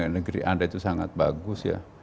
negeri anda itu sangat bagus ya